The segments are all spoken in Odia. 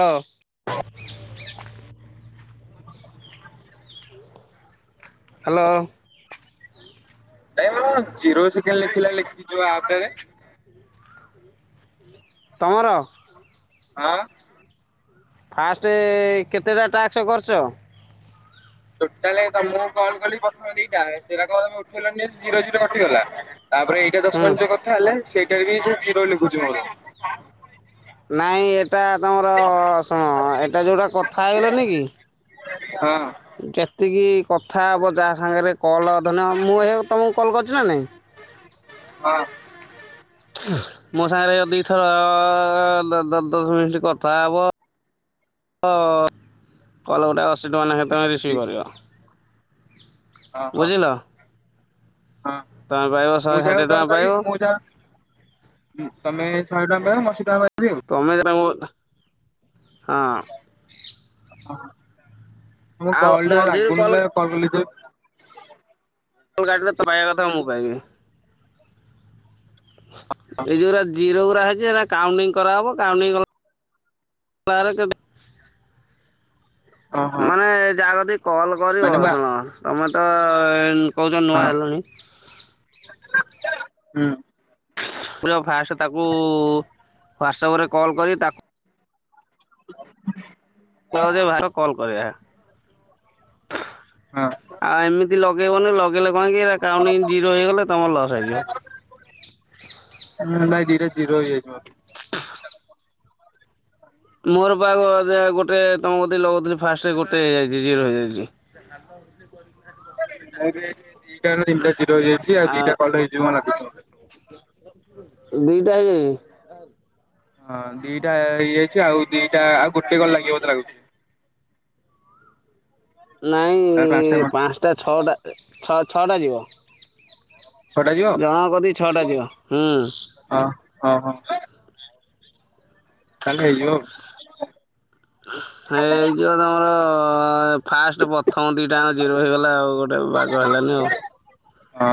ହା ଲୋ। [unintelligible] ହା ଲୋ। ଏ କଣ ଜିରୋ ସେକେଣ୍ଡ ଲେଖିଲା ଲେଖିକି ଯୋଉ ଆପ ଟାରେ। ତମର। ହାଁ। ଫାଷ୍ଟ କେତେଟା ଟାକ୍ସ କରିଛ। ଟୋଟାଲ ତମକୁ କଲ କଲି ପ୍ରଥମ ଦିଟା ସେରାକ ତମେ ଉଠେଇଲନି ଜିରୋ ଜିରୋ ଉଠିଗଲା। ତାପରେ ଏଇଟା ଦଶ ହୁଁ। ମିନିଟ କଥା ହେଲେ ସେଇଟା ବି ସେଇ ଜିରୋ ଲେଖୁଛି ମୋର। ନାଇଁ ଏଇଟା ତମର ଶୁଣ ଏଇଟା ଜୋଉଟା କଥା ହେଇଗଲନି କି। ହଁ। ଯେତିକି କଥା ହବ ଯା ସାଙ୍ଗରେ କଲ୍ ଧରି ନିଅ ମୁଁ ଏହିଅ ତମକୁ କଲ୍ କରିଛି ନା ନାଇଁ। ହଁ। ମୋ ସାଙ୍ଗରେ ଦି ଇଥର ଦ ଦ ଦଶ ମିନିଟ୍ କଥା ହବ। ଅ କଲ ଗୋଟେ ଅଶୀ ଟଙ୍କା ନେଖେ ତମେ ରିସିଭ୍ ଦି କରିବ। ହଁ ହଁ ବୁଝିଲ। ହଁ ତମେ ପାଇବ ମୁଁ ଶହେ ଷାଠିଏ ଯାହାକୁ ଟଙ୍କା କଲ ପାଇବ କରିବି ମୁଁ ଯାହା। ହୁଁ ତମେ ଶହେ ଟଙ୍କା ପାଇବ ମୁ ଅସି ଟଙ୍କା ପାଇବି। ଆଉ। ତମେ ଜେଟାକୁ। ହଁ। ମୋ କଲ୍ ଟା ମଝିରୁ ଲାଗୁ କଲ୍ ନଥିଲା କଲି ଯେ। ତୁ କାଟିଲେ ତୁ ପାଇବା କଥା ମୁ ପାଇବୀ। ଏଇଜୋଉ ଗୁରା ଜିରୋ। ହେରା ଅଛି ହେରା କାଉଣ୍ଟିଙ୍ଗ କରାହବ କାଉଣ୍ଟିଙ୍ଗ କରା ହେଲେ ଓହୋ ମାନେ ଯା କତିକୀ କଲ କରିବ ମାନେ ମୁଁ ଶୁଣ ତମେ ତ। କହୁଛ ଆ ନୂଆ ହଁ। ହେଲଣି। ହୁଁ। ପୁରା ଫାଷ୍ଟ ତାକୁ ହ୍ଵାଟ୍ସପରେ କଲ୍ କରି ତାକୁ। [inaudible] ତ ଯେ ଭାଇ ର କଲ କରିବା। ହଁ। ଯଦି ଲଗେଇ ବନି ଲ ଲଗେଇଲେ କଣ କି କାଉଣ୍ଟିଙ୍ଗ ଜିର ହେଇଗଲେ ତମର ଲସ୍ ହେଇ ଯିବ। ଏ ଜିରୋ ହେଇବଯାଇଛି ମୋର। ମୋର ପା ଗୋ ବୋଧେ ଗୋଟେ ତମ କତିକୀ ଲଗଉଥିଲି ଫାଷ୍ଟ ଗୋଟେ ହେଇଯାଇଛି ଜିରୋ ହେଇଯାଇଛି। ହଉ ସେ କର ମୁ ବି ଆଜି ଦିଟା ରୁ ତିନଟା। ଜିରୋ ହେଇଯାଇଛି ଆଉ ଦିଟା କଲ ରେ ହେଇଯିବ ନା କିସ। ଦିଟା ହେଇଯାଇଛି। ହଁ ଦିଟା ହେଇଯାଇଛି ଆଉ ଦିଟା ଆଉ ଗୋଟେ କଲ ଲାଗିବ ବୋଧେ ଲାଗୁଛି। ଆଉ ନାଇଁ କଣ ପାଞ୍ଚଟା ଛଅଟା ଛଅ ଛଅଟା ଯିବ। ଛଅଟା ଯିବ ଜଣ କତି ଛଅଟା ଯିବ ହୁଁ। ହଁ ହଁ ହଁ। ତାଲେ ହେଇଯିବ ଆଉ। ହେଇ ଯିଅ ତମର। ହଁ ଏ ଫାଷ୍ଟ୍ ପଥମ ଦିଇଟାଙ୍କ ଜିରୋ ହେଇଗଲା ଆଉ ଗୋଟେ ବାଗ ହେଲାନି ଆଉ। ହଁ।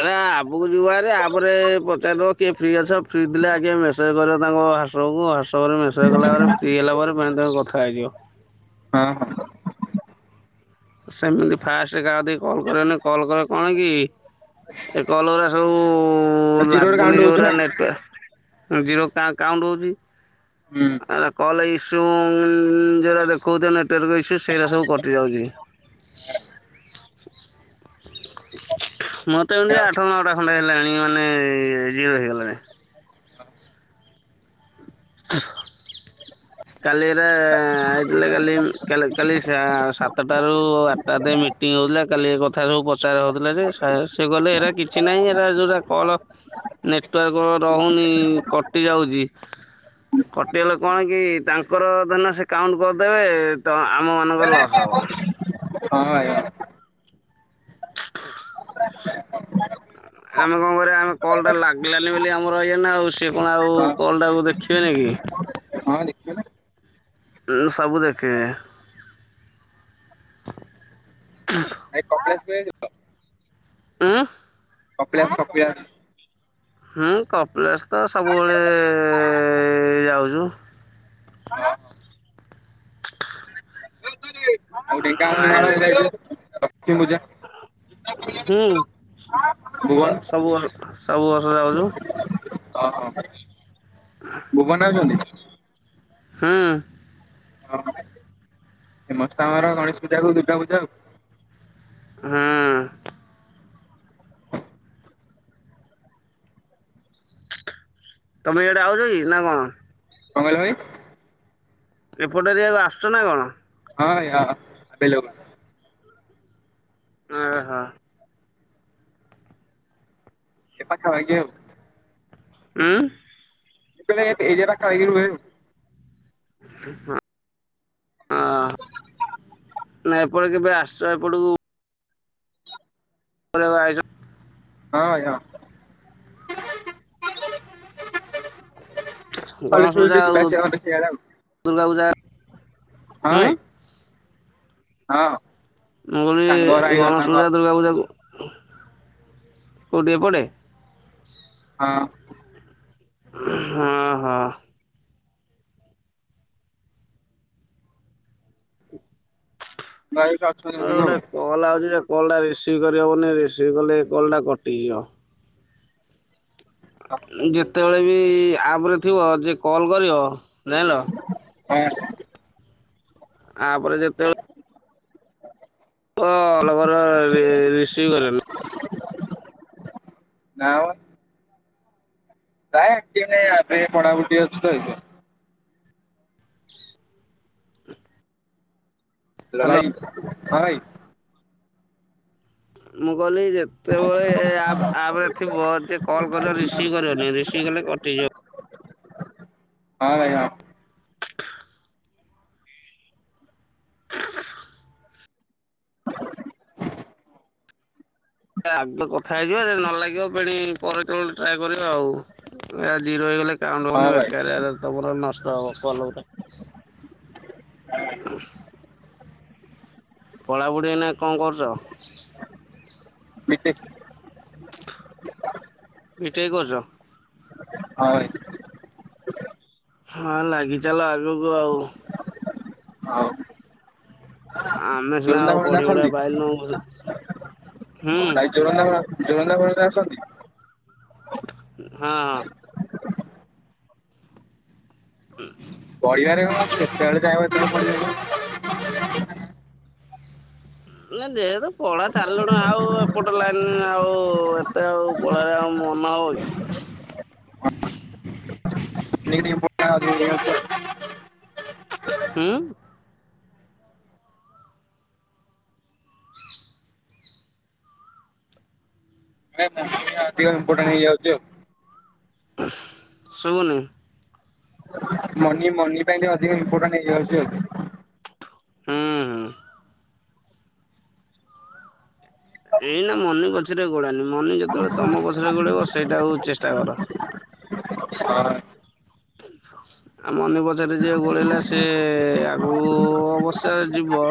ଆରେ ଆପ୍ କୁ ଯିବ ହାରି ଆପ୍ ରେ ପଚାରିଦବ କିଏ ଫ୍ରି ଅଛ ଫ୍ରି ଥିଲେ ଆଗେ ମେସେଜ୍ କରିଅ ତାଙ୍କ ହ୍ୱାଟ୍ସଅପ୍ କୁ ହ୍ୱାଟ୍ସଅପ୍ ରେ ମେସେଜ୍ କଲା ପରେ ଫ୍ରି ହେଲା ପରେ ପେଣ ତାକୁ କଥା ହେଇଯିବ। ହଁ ହଁ। ସେମିତି ଫାଷ୍ଟେ କାହା କତିକି କଲ୍ କରିଅନେଇ କଲ୍ କଲେ କଣ କି ଏ କଲ୍ ଗୁରା ସବୁ ହଁ ଜିରୋରେ ଲାଗୁନି କାଉଣ୍ଟ ହଉଛି ଯୋଉରା ନା। ନେଟୱା ଉଁ ଜିରୋ କା କାଉଣ୍ଟ୍ ହଉଚି ହୁଁ ଆରା କଲ୍ ଇସ୍ ଯୋଉଁ ଯୋଉରା ଦେଖଉଚ ନେଟୱାର୍କ ଇସୁ ସେଇରା ସବୁ କଟିଯାଉଚି। ମୋର୍ ତ ଏମିତି ହଁ ଆଠ ନଅଟା ଖଣ୍ଡେ ହେଲାଣି ମାନେ ଜିରୋ ହେଇଗଲାଣି। ତ [inaudible] କାଲି ଏରା ଆଇଥିଲେ ତଟାରୁ ଆଟଟା ତ ଏଇ ମିଟିଂ ହୋଉଥୁଲା କାଲି ଏ କ ଥା ସବୁ ପଚାରା ହଉଥୁଲା ଯେ ସା ସେ କହିଲେ ଏରା କିଛି ନାହିଁ ଏରା ଯୋଉରା କଲ୍ ନେଟୱାର୍କ ରହୁନି କଟି ଯାଉଚି। କଟିଗଲେ କଣ କି ତାଙ୍କର ଧରନିଅ ସେ କାଉଣ୍ଟ କରଦେବେ ତ ଆମମାନଙ୍କର ଲସ୍ ହବ। ହଁ ଭାଇ। ଆମେ କଁ କରିବା ଆମେ କଲ୍ ଟା ଲାଗିଲାନେଇ ବୋଲି ଆମର ଇଏନା ଆଉ ସିଏ କଣ ଆଉ କଲଟାକୁ ହଁ ଦେଖିବେନି କି? ହଁ ଦେଖିବା। ଉ ସବୁ ଦେଖିବେ। ଭାଇ କପିଳାସ ଯାଇ ଲ? ଉଁ? କପିଳାସ୍ କପିଳାସ୍ ହୁଁ କପିଳାସ ତ ସବୁବେଳେ ଯାଉଚୁ। ଆଉ ଢେଙ୍କାଆଳ ଆଏ ମେଙ୍କାଆଳ ଯାଇଚ ତ ଲକ୍ଷ୍ମୀ ପୂଜା? ହୁଁ ଭୁବନ ସ ସବୁ ବ ସବୁ ବର୍ଷ ଯାଉଚୁ। ଅହ ଭୁବନ ଆଉଚନ୍ତି? ହୁଁ। ଫେମସ୍ ତ ଆମର ଗଣେଶ ପୂଜା କୁ ଦୁର୍ଗା ପୂଜା ଆଉ। ହଁ। ତମେ ଇଆଡ଼େ ଆଉଚ କି ନାଁ କଁ? କଁ କହିଲ ଭାଇ? ଏପଟ ଏରିଆକୁ ଆସୁଚ ନାଁ କଣ? ହଁ ୟ ଆଭେଲେବୁଲ୍। ଓ ହ। ଏ ପାଖାପାଖି ଆଉ। ଉଁ? ଯେତୋଳେ କେ ଏରିଆଟା ଖାଇକି ରୁହେ ମୁଁ। ହଁ ଅ ନାଁ ଏପଟେ କେବେ ଆସଚ ଏପଟକୁ? କରିଆକୁ ଆଇଚ। ହଁ ଭାଇ ହଁ। କଲେଜ୍ ଗଣେଶ ଫଲେଜ୍ ପୂଜା ଟିଏ ଆଉ ଯିବା ଆସିବା କରେ ସେଇଆଡ଼େ ଆଉ। ଦୁର୍ଗା ପୂଜା ହଁ ଉଁ ଭାଇ। ହଁ। ମୁଁ ବି ସାଙ୍ଗରା ହେଇଗଲା ଗଣେଶ ତାଙ୍କର ପୂଜା ଦୁର୍ଗା ପୂଜାକୁ କୋଉଠି ଏପଟେ? ହଁ। ହ-ହ। ସାଙ୍ଗରା ଏଠି ଅଛନ୍ତି ଆଉ ଅଧିକ ଗୋଟେ କଲ୍ ଆଉଛି ଯେ। କଲଟା ରିସିଭ୍ କରିହେବନି ରିସିଭ୍ କଲେ ଏ କଲଟା କଟିଯିବ। ଯେତେବେଳେ ବି ଆପରେ ଥିବ ଯେ କଲ୍ କରିବ ଯାଇଁଲ। ଆଁ ଆପରେ ଯେତେବେଳେ କଲଗୁରା ରିସିଭ୍ କରିବନି। ନାଁ ମ। ନାଇଁ ଆକ୍ଟିଭ୍ ନାଇଁ ଏବେ ପଢାପଢି [inaudible] ଅଛୁ ତ। ହ୍ୟାଲୋ ଲଗାଇ? ହଁ ଭାଇ। ମୁଁ କହିଲି ଯେତେବେଳେ ଆପ୍ ଆପରେ ଥିବ ଯିଏ କଲ୍ କରିବ ରିସିଭ୍ କରିବନି ରିସିଭ୍ କଲେ କଟିଯିବ। ହଁ ଭାଇ ହଁ। ଆଗ କଥା ହେଇଯିବା ଯଦି ନ ଲାଗିବ ଫେଣି ପରେ [inaudible] ଟ୍ରାଏଲ୍। [inaudible] କରିବା ଆଉ ଏ ଜିରୋ ହେଇଗଲେ କାଉଣ୍ଟ ହଁ ହଁ ହବନି ଭାଇ ବେକାରିଆରେ ତମର ନଷ୍ଟ ହେବ। କଲ ଗୋଟାଏ, ଉହୁଁ ପଢ଼ାପଢ଼ି ଏଇନା କଣ କରୁଛ? ବିଟେକ୍। ବିଟେକ୍ କରୁଚ? ହାଏ ହଁ ନାଗିଚାଲ ଆଗକୁ ଆଉ। ହଉ। ଆମେ ସିନା ଯୋରନ୍ଦା ଆଉ ଫୋରନ୍ଦା ପଢିପୁଢା ଆସନ୍ତି ପାଇଲୁନୁ [inaudible] ଭାଇ ଜୋରନ୍ଦା ମେଳା ଜୋରନ୍ଦା ମେଳାରେ ଆସନ୍ତି? ହଁ ଉଁ ପଢିବାରେ କଣ ଅଛି ଯେତେବେଳେ ଚାହିଁବ ସେତେବେଳେ ପଢ଼ିପାରିବ। ନା ଯେହେତୁ ପଢା ଛାଡିଲୁଣୁ ଆଉ ଏପଟ ଲାଇନ ଆଉ ଏତେ ଆଉ ପଢାରେ ଆଉ ମନ ହେବ କି? [inaudible] ହୁଁ? ନାଇଁ [inaudible] ଅଧିକ ଇମ୍ପୋର୍ଟାଣ୍ଟ ହେଇଯାଉଛି ଆଉ। ଶୁଭୁନି। ମନି ମନି ପାଇଁ ଟିକେ ଅଧିକ ଇମ୍ପୋର୍ଟାଣ୍ଟ ହେଇଯାଉଛି ଆଉ। ହୁଁ ହୁଁ। ଏଇନା ମନି ପଛରେ ଆଉ ଗୋଡ଼ାନି ମନି ଯେତେବେଳେ ତମ ପଛରେ ଗୋଡ଼େଇବ ସେଇଟା ହଉ ଚେଷ୍ଟା କର। ହଁ। ମନି ପଛରେ ଯିଏ ଗୋଡେଇଲା ସିଏ-ଏ ଆଗକୁ ଅବଶ୍ୟ ଯିବ।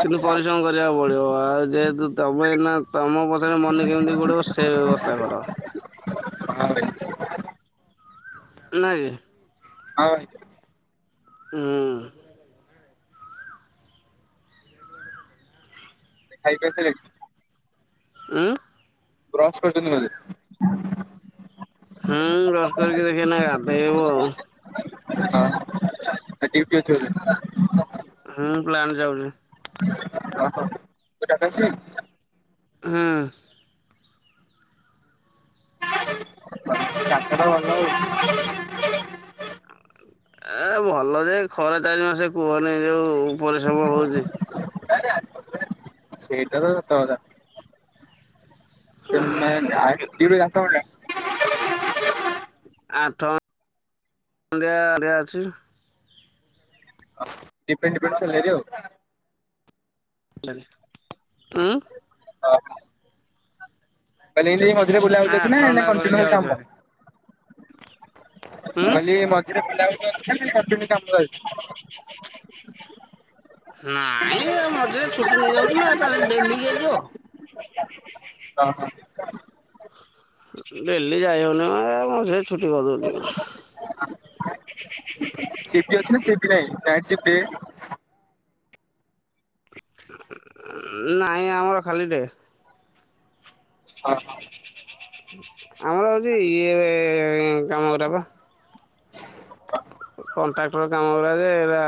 କିନ୍ତୁ ପରିଶ୍ରମ କରିବାକୁ ପଡିବ ଆ ଯେହେତୁ ତମେ ନା ତମ ପଛରେ ମନେ କେମିତି ଗୋଡେଇବ ସେ ବ୍ୟବସ୍ଥା କର। ହଁ ନାକି? ହଁ ଭାଇ। ଉଁ-ଉଁ ଖାଇ [inaudible] ସରିଲାଣି? ଉଁ। ବ୍ରଶ୍ କରିଛନ୍ତି ବୋଧେ। ହୁଁ ବ୍ରଶ କରିକି ଦେଖିଆ ଏଇନା ଗାଧେଇବୁ ଆଉ। ହଁ ଆ ଡ୍ୟୁଟି ଅଛି ବୋଧେ? ହଁ ପ୍ଲାଣ୍ଟ ଯାଉଚି। ଓ ହୋ। [unintelligible] ହୁଁ। [unintelligible] ଏ ଭଲ ଯେ ଖରା ଚାରି ମାସ କୁହନି ଯୋଉ ପରିଶ୍ରମ ହଉଚି। ସେଇଟା ତ ସତ କଥା। [unintelligible] ଡ୍ୟୁଟି ସାତ ଘଣ୍ଟା। ଆଠ ଘଣ୍ଟିଆ ଅଛି। ଦିଫ୍ରେଣ୍ଟ ଡିଫ୍ରେଣ୍ଟ ସାଲେରୀ ଆଉ। ଉଁ। [inaudible] ମାନେ ଏମିତି ମଝିରେ ବୁଲାବୁଲି ଆଠ ଅଛି ନା, ନା ଘଣ୍ଟା କଣ୍ଟିନ୍ୟୁ କରିକି ଖାଲି ଆଉଛି କାମ? ଭାରି ମୁଁ ଉଁ କହିଲି ମଝିରେ ବୁଲା ବୁଲି। [unintelligible] ନାଇଁ ମଝିରେ ଛୁଟି ନେଇଯାଉଛି ନା ଡେଲି କିଏ ଯିବ। ଓ ହୋ। ଡେଲି ଯାଇହବନି ମ ଏ ମଝିରେ ଛୁଟି କରିଦଉଚୁ। ସିପ୍ଟୀ ଅଛି ନା ସିପ୍ଟି ନାଇଁ? ନାଇଟ୍ ସିପ୍ଟୀ ନାହିଁ ଆମର ଖାଲି ଡେ। ଅ ହଁ। ଆମର ହଉଛି ଇଏ କାମ ଗୁରା ପା। [inaudible] କଣ୍ଟ୍ରାକ୍ଟର କାମ ଗୁରା ଯେ ଏରା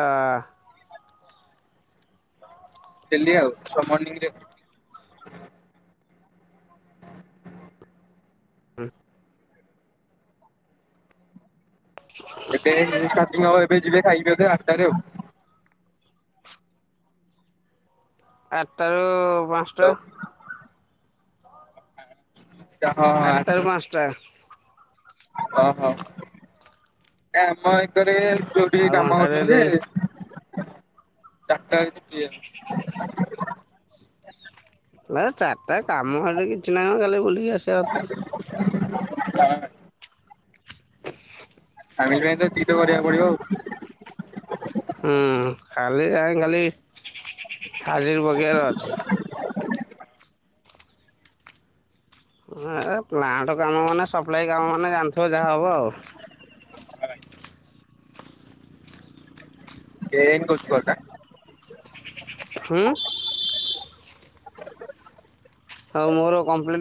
ଡେଲି ଆଉ। ସବୁ ମର୍ଣିଂରେ [inaudible] ଏବେ ଷ୍ଟାର୍ଟିଙ୍ଗ ହବ ଏବେ ଯିବେ ଖାଇବେ ଏବେ ଆଠଟାରେ ଆଉ। ଆଠଟାରୁ ପାଞ୍ଚଟା। ହ୍ୟାଲୋ ହଁ ହଁ। ଆଟା ଆଠଟାରୁ ରୁ ପାଞ୍ଚଟା ଓ ହୋ। ଆମ ଏକରେ ଯଉଠି ଆଉ କାମ ଘଣ୍ଟାଟେ ହଉଛନ୍ତି ଦୁଇ ଯେ ଚାରିଟା। [unintelligible] ହେଁ ଚାର ଟା କାମ ହେଲେ କିଛି ନାହିଁ ମ ଖାଲି ବୁଲିକି ଆସିବା କଥା। [unintelligible] ଫ୍ୟାମିଲ ପାଇଁ ତ ଏତିକି ତ କରିବାକୁ ପଡିବ ଆଉ। ହୁଁ ଖାଲି ଯାଇକି ଖାଲି ହାଜିର ପକେଇବାର ଅଛି। ଏବପ୍ଲାଣ୍ଟ କାମ ମାନେ ସପ୍ଲାଇ କାମ ମାନେ ଜାଣିଥିବ ଯାହା ହବ ଆଉ। [unintelligible] ହୁଁ। ଆଉ ମୋର କମ୍ପ୍ଲେ